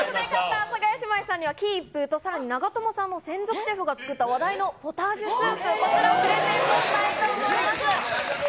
阿佐ヶ谷姉妹さんには金一封と、さらに長友さんの専属シェフが作った話題のポタージュスープ、こちら、プレゼントしたいと思います。